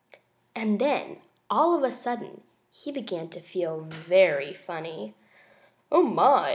And then, all of a sudden, he began to feel very funny. "Oh, my!"